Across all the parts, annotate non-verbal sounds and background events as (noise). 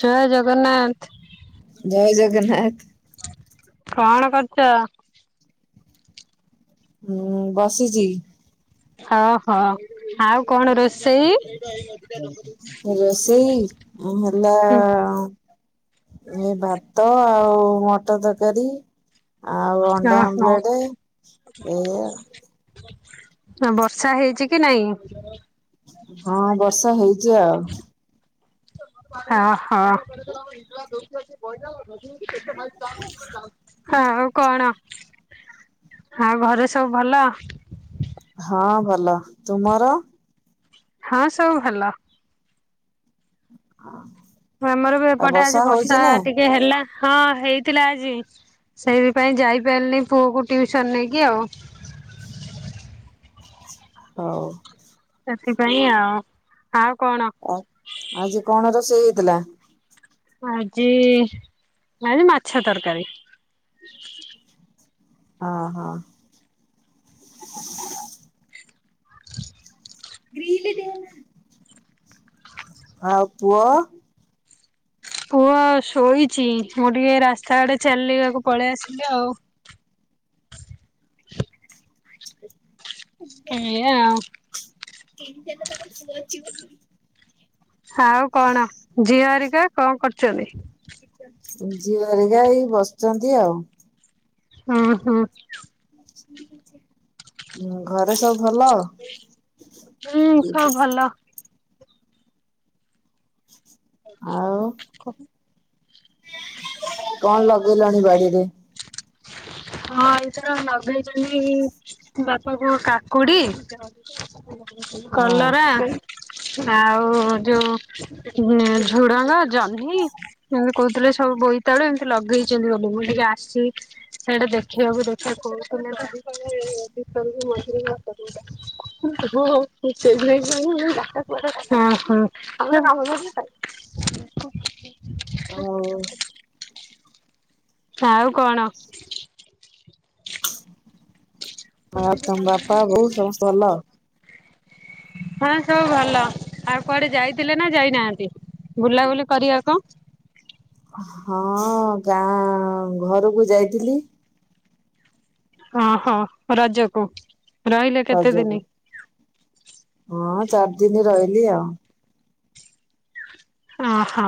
ଜୟ ଜଗନ୍ନାଥ। ଜୟ ଜଗନ୍ନାଥ କଣ କରୁଛ? ହୁଁ ବସିଛି। ହଁ- ହଁ। ଆଉ କଣ ରୋଷେଇ? ରୋଷେଇ ହେଲା ହୁଁ। ଏ ଭାତ ଆଉ ମଟର ତରକାରୀ ଆଉ ଅଣ୍ଡା ଓହୋ ଆମ୍ଲେଟ ଏଇଆ ଆଉ। ବର୍ଷା ହେଇଛି କି ନାଇଁ? ହଁ ବର୍ଷା ହେଇଛି ଆଉ। ହଁ- ହଁ। ହଁ ଆଉ କଣ, ଆଉ ଘରେ ସବୁ ଭଲ? ହଁ ଭଲ। ତୁମର? ହଁ ସବୁ ଭଲ। ହଁ। ଆମର ବି ଏପଟେ ଆଜି ବର୍ଷା ଟିକେ ହେଲା, ହଁ ହେଇଥିଲା ଆଜି। ସେଇଥିପାଇଁ ଯାଇପାରିନି ପୁଅକୁ ଟିଉସନ ନେଇକି ଆଉ। ହଉ। ସେଥିପାଇଁ ଆଉ। ଆଉ କଣ? ଆ ଆଜି କଣ ରୋଷେଇ ହେଇଥିଲା? ଆଜି ଏଇ ମାଛ ତରକାରୀ। ଓ ହୋ। (unintelligible) ଗ୍ରିଲ୍ ଦେ ନା। ଆଉ ପୁଅ? ପୁଅ ଶୋଇଛି ମୁଁ ଟିକେ ରାସ୍ତା ଆଡେ ଚାଲିବାକୁ ପଳେଇ ଆସିଲି ଆଉ। (unintelligible) ଏଇଆ ଆଓ। କେମିତି ତ ପୁଅ ଅଛି ବୋଲିି। ଆଉ କଣ ଝିଅ ହରିକା କଣ କରୁଛନ୍ତି? ଝିଅ ହେରିକା ଏଇ ବସଛନ୍ତି ଆଉ। ହଁ ହଁ। ଘରେ ସବୁ ଭଲ। ହୁଁ ସବୁ ଭଲ ଆଉ କହ। କଣ ଲଗେଇଲଣି ବାଡିରେ? ହଁ ଏଥର ଲଗେଇଛନ୍ତି ବାପା ବୋଉ କାକୁଡି ହଁ କଲରା ଆଉ ଯୋଉ ଝୁଡଙ୍ଗ ଜହ୍ନି ଏମିତି କହୁଥିଲେ ସବୁ ବୋଇତାବେଳୁ ଏମିତି ଲଗେଇଛନ୍ତି ବୋଲି ମୁଁ ଟିକେ ଆସିଛି। ସେଇଟା ଦେଖିବାକୁ ଦେଖିବା କଣଥିଲେ (inaudible) (inaudible) ହଁ (unintelligible) (unintelligible) ଆଉ କଣ? ଆଉ ତମ ବାପା ବୋଉ ସମସ୍ତେ ଭଲ। (unintelligible) ହଁ ସବୁ ଭଲ ଆଉ କୁଆଡେ ଯାଇଥିଲେ ନା ଯାଇନାହାନ୍ତି ବୁଲାବୁଲି କରିବାକୁ। ହଁ ଗାଁ ଘରକୁ ଯାଇଥିଲି। ଓହୋ ରଜକୁ ରହିଲେ କେତେ ରଜକୁ। ଦିନ? ହଁ ଚାରି ଦିନ ରହିଲି ଆଉ। ଓହୋ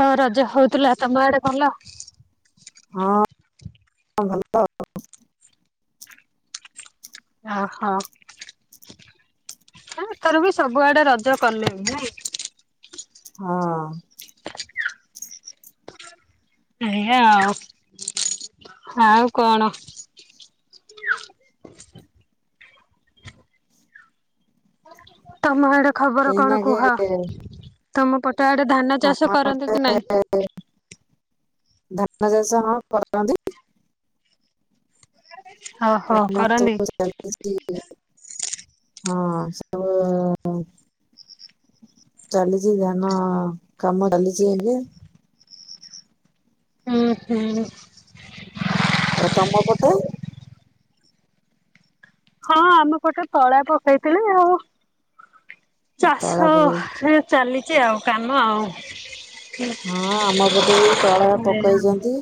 କଣ ରଜ ହଉଥିଲା ତମ ଆଡେ ଭଲ? ହଁ ଭଲ ଆଉ। ଓହୋ ଏଥର ବି ସବୁଆଡେ ରଜ କଲେନି ନାଇଁ। ହଁ। ଏଇଆ ଆଉ ଆଉ କଣ? ତମ ଏଡେ ଖବର କଣ ଏଇନାକେ କୁହ ତମ ତମ ଆଡେ ଧାନ ଚାଷ ଆମ କରନ୍ତି କି ନାଇଁ? ଧାନ ଚାଷ ହଁ କରନ୍ତି। ଓହୋ କରନ୍ତି। (inaudible) ହଁ ସବୁ। ଚାଲିଛି ଧାନ କାମ ଚାଲିଛି ଏବେ। ହୁଁ ହୁଁ। ଆଉ ତମ ପଟେ। ହଁ ଆମେ ଗୋଟେ ତଳା ପକେଇଥିଲ ଆଉ ତଳା ଚାଷ ପକେଇ ଚାଲିଛି ଆଉ କାମ ଆଉ। ହଁ ଆମ ପଟେ ବି ତଳା ଏଇଆ ଆଉ। ପକେଇଛନ୍ତି।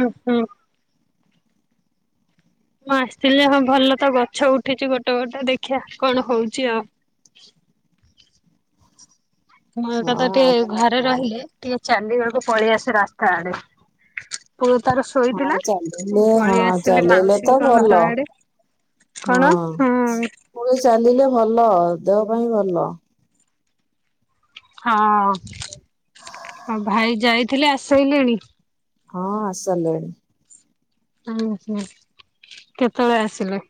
ହୁଁ ହୁଁ। ମୁଁ ଆସିଥିଲି ହଁ ଭଲ ତ ଗଛ ଉଠିଛି ଗୋଟେ ଗୋଟେ ଦେଖିବା କଣ ହଉଛି ଆଉ? ହଁ ଏକ ତ ଟିକେ ଘରେ ରହିଲେ ଟିକେ ଚାଲିବାକୁ ପଳେଇ ଆସ ରାସ୍ତା ଆଡେ। ପୁଅ ତାର ହଁ ଶୋଇଥିଲା ମୁଁ ଚାଲିଲେ ପଳେଇ ହଁ ଆସିଲି ଚାଲିଲେ ତ ମାଉସୀଙ୍କ ଭଲ ଘର ଆଡେ। କଣ ହୁଁ? ପୁଣି ଚାଲିଲେ ଭଲ ଦେହ ପାଇଁ ଭଲ। ହଁ ହଁ ଭାଇ ଯାଇଥିଲେ ଆସାଇଲେଣି। ହଁ ଆସାଇଲେଣି। ଆ ଆଜ୍ଞା କେତୋବେଳେ ଆସିଲେ?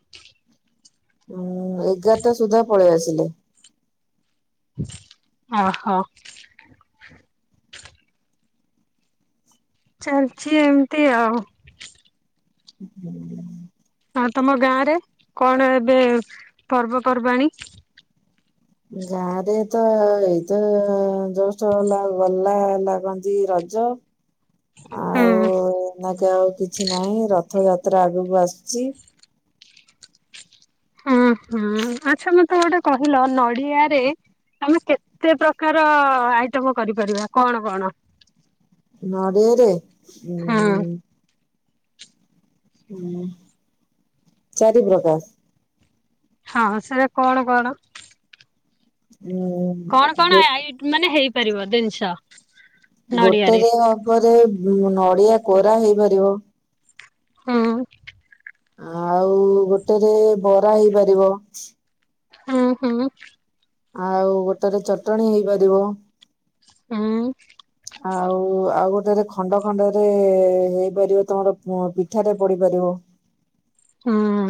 ଉଁ ଏଗାରଟା ସୁଦ୍ଧା ପଳେଇ ଆସିଲେ। ହହୋ। ଚାଲଚି ଏମତି ଆଉ। ୁ ହଁ ତମ ଗାଁ ରେ କଣ ଏବେ ପର୍ବପର୍ବାଣି ଗାଁ ରେ ତ ଏଇତ ଜଷ୍ଟ ହେଲା ଗଲା ହେଲା କନ୍ତି ରଜ। ହଁ। ତି ଆଉ କିଛି ନାହିଁ ରଥଯାତ୍ରା ଆଗୁକୁ ଆସୁଚି। ହଁ ହ ଆଛା ମତେ ଗୋଟେ କହିଲ ନଡିଆରେ ଆମେ କେତେ ପ୍ରକାର ଆଇଟମ କରିପାରିବା କଣ କଣ? ନଡ଼ିଆରେ ହୁଁ ଉଁ ହୁଁ ଚାରି ପ୍ରକାର। ହଁ ସେରା କଣ କଣ? ହୁଁ। କଣ କଣ ଆଇଟ୍ ମାନେ ହେଇପାରିବ ଦିନଷ? ଗୋଟେରେ ହବରେ ନଡିଆ କୋରା ହେଇପାରିବ। ହଁ। ଆଉ ଗୋଟେରେ ବରା ହେଇପାରିବ। ଉଁ ହୁଁ। ଆଉ ଗୋଟେରେ ଚଟଣି ହେଇପାରିବ। ହଁ। ଆଉ ଆଉ ଗୋଟେରେ ଖଣ୍ଡ ଖଣ୍ଡରେ ହେଇପାରିବ ତମର ପିଠାରେ ପଡିପାରିବ। ହଁ।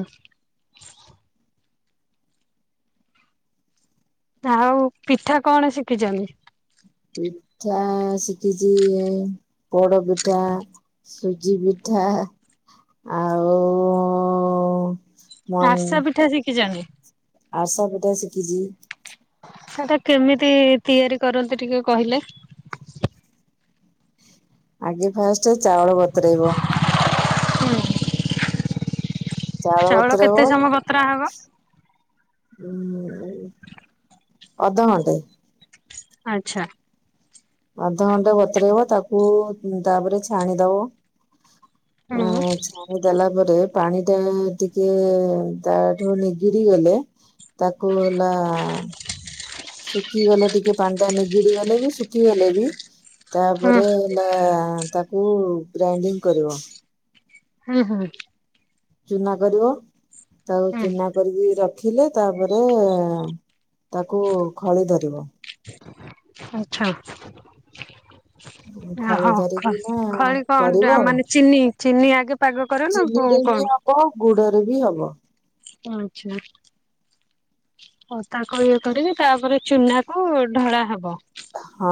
ତାହୁ ପିଠା କଣ ଶିଖିଚନ୍ତି? ପିଠା ଶିଖିଚି ପୋଡ ପିଠା। ସୁଜି ପିଠା ଆଉ ମ ଆରସା ପିଠା ଶିଖିଚନ୍ତି? ଆରସା ପିଠା ଶିଖିଚି। ସେଟା କେମିତି ତିଆରି କରନ୍ତି ଟିକେ କହିଲେ। ଆଗେ ଫାଷ୍ଟେ ଚାଉଳ ବତୁରେଇବ। ହୁଁ। ଚାଉଳ ସମୟ ବତୁରା ହବ? ବତୁରେଇବ ଅଧ ଘଣ୍ଟେ। ଆଛା। ଅଧ ଘଣ୍ଟେ ବତୁରେଇବ ତାକୁ ତାପରେ ଛାଣିଦବ। ଅ ହୁଁ ଆଛା। ଦେଲା ପରେ ପାଣି ଟା ଟିକେ ତା ଠୁ ନିଗିଡି ଗଲେ ତାକୁ ହେଲା ଶୁଖି ଗଲେ ଟିକେ ପାଣି ଟା ନିଗିଡି ଗଲେ ବି ଶୁଖି ଗଲେ ବି ହୁଁ ତାପରେ ହେଲା ତାକୁ ଗ୍ରାଇଣ୍ଡିଙ୍ଗ କରିବ। ହୁଁ ହଁ। ଚୁନା କରିବ ତାକୁ ହୁଁ ଚୁନା କରିକି ରଖିଲେ ତାପରେ ତାକୁ ଖଳି ଧରିବ ଆଚ୍ଛା ଓହୋ ଖଳି ଖ ଧରିକି ନା ଖଳି କଣ କରିବ ମାନେ ଚିନି ଚିନି ଆଗେ ପାଗ କରନା କଁ କଣ ତ ଗୁଡ଼ିରେବି ହବ। ଆଚ୍ଛା। ହ ତାକୁ ଇଏ କରିବି ତାପରେ ଚୁନାକୁ ଢଳା ହବ। ହଁ।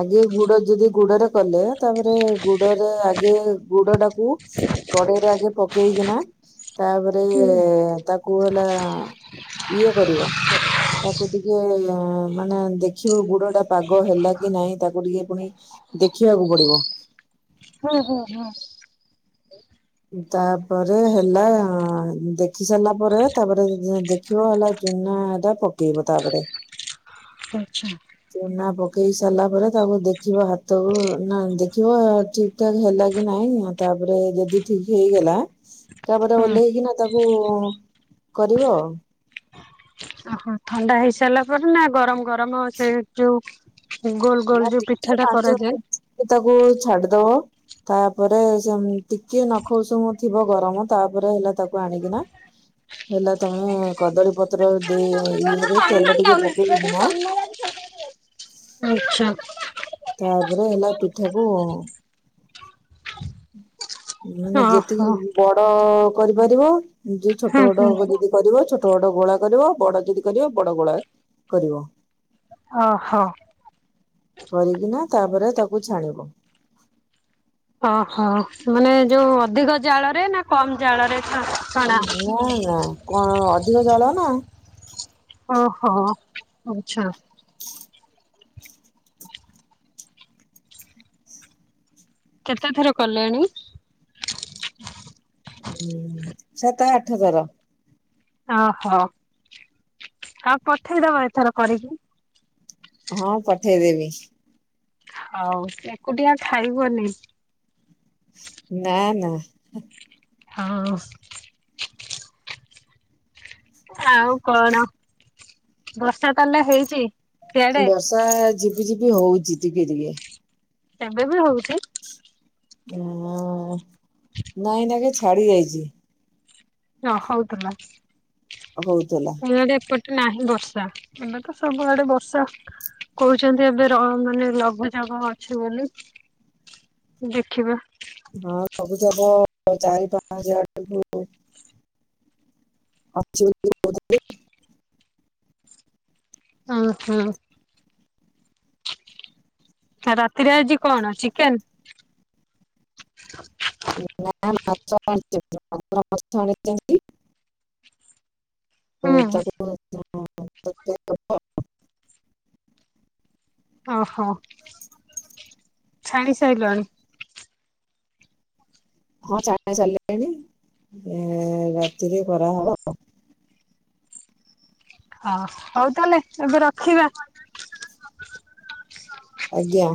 ଆଗେ ଗୁଡ଼ ଯଦି ଗୁଡ଼ିରେ କଲେ ତାପରେ ଗୁଡ଼ିରେ ଆଗେ ଗୁଡ଼ଟାକୁ କଡ଼େଇରେ ଆଗେ ପକେଇକିନା ତାପରେ ରେ ତାକୁ ହେଲା ଇଏ କରିବ ତାକୁ ଟିକେ ମାନେ ଦେ ଦେଖିବ ଗୁଡ଼ଟା ପାଗ ହେଲାକି ନାଇଁ ତାକୁ ଟିକେ ପୁଣି ଦେଖିବାକୁ ପଡ଼ିବ। ହୁଁ ହୁଁ ହୁଁ। ତାପରେ ହେଲା ଦେଖି ସାରିଲା ପରେ ତାପରେ, ଦେ ଦେଖିବ ହେଲା ଚୁନାଟା ପକେଇବ ତାପରେ। ଆଚ୍ଛା। ଚୁନା ପକେଇ ସାରିଲା ପରେ ତାକୁ ଦେଖିବ ହାତକୁ ନା ଦେଖିବ ଠିକ୍ ଠିକ୍ ଠାକ୍ ହେଲାକି ନାଇଁ ଆ ତାପରେ ଯେଦି ଠିକ୍ ହେଇଗଲା ତାପରେ ହୁଁ ଓହ୍ଲେଇକିନା ତାକୁ କରିବ ଆଉ। ଓହୋ ଥଣ୍ଡା ହେଇ ସାରିଲା ପରେନା ଗରମ ଗରମ ସେ ଯୋଉ ଗୋଲ ନା ଗୋଲ ଯୋଉ ଟିକେ ପିଠାଟା ପାଞ୍ଚ କରାଯାଏ ତାକୁ ଛାଡ଼ି ଦବ ତାପରେ ସେଟିକି ନଖଉସୁମୁ ଥିବ ଗରମ ତାପରେ ହେଲା ତାକୁ ଆଣିକିନା ହେଲା ତମେ କଦଳୀ ପତ୍ର ଦେଇ ଇଏରେ ତେଲ ଟିକେ ପ (unintelligible) ଆଚ୍ଛା। ତାପରେ ହେଲା ପିଠାକୁ ମାନେ ଓହୋ ଯେତିକି ବଡ଼ କରିପାରିବ ଯଦି ହୁଁ ଛୋଟ ହୁଁ ବଡ଼ କରିବ ଛୋଟ ଗୋଡ଼ ଗୋଳା କରିବ ବଡ଼ ଯଦି କରିବ ବଡ଼ ଗୋଳା କରିବ। ହଁ ହଁ। କରିକିନା ତାପରେ ତାକୁ ଛାଣିବ। ଓହୋ ମାନେ ଯୋଉ ଅଧିକ ଜାଳରେନା କମ୍ ଜାଳରେ ଛା ନା ନା କ ଅଧିକ ଜାଳନା। ଓହୋ ଆଚ୍ଛା। କେତେ ଥର କଲେଣି? ହୁଁ ସାତ ଆଠ ଥର। ଓହୋ ହଁ ପଠେଇଦବ ଏଥର କରିକି। ହଁ ପଠେଇଦେବି। ହଉ ଏକୁଟିଆ ଖାଇବନି? ନା ନା। ହଁ। ଆଉ କଣ ବର୍ଷା ତାହେଲେ ହେଇଚି? ବର୍ଷା ଝିପି ଝିପି ହଉଚି ଟିକେ ଟିକେ। ଏବେବି ହଉଚି? ଉଁ ନାଇଁ ଏଇନାକେ ଛାଡ଼ି ଯାଇଚି। ହଁ ହଉଥେଲା। ହଉଥେଲା। ଇଆଡେ ଏପଟେ ନାହିଁ ବର୍ଷା ଏଇନା ତ ସବୁଆଡେ ବର୍ଷା। କହୁଛନ୍ତି ଏବେ ର ମାନେ ଲଘୁଚାପ ଅଛି ବୋଲି। ଦେଖିବା। ହଁ ଲଘୁଚାପ ଚାରି ପାଞ୍ଚେ ଆଡୁକୁ ଅଛି (inaudible) ଅଁ ହଁ। ଆଉ ରାତିରେ ଆଜି କଣ ଚିକେନ୍। (inaudible) ମାଛ ଆଣିଚନ୍ତି ଭାକୁର ମାଛ ଆଣିଚନ୍ତି। ହୁଁ (inaudible) ଓହୋ। ଛାଣି ସାଇଲଣି। ହଁ ଛାଣି ସାରଲେଣି ଏଁ ରାତିରେ କରା ହବ। ହଁ ହଉ ତାହେଲେ ଏବେ ରଖିବା। ଆଜ୍ଞା।